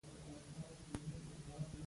د سترګو ژبه د ښکلا احساس ښیي.